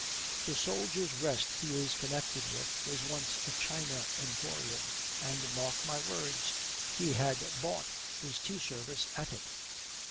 The Soldiers' Rest he is connected with was once a china emporium, and (mark my words), he had bought his tea service at it.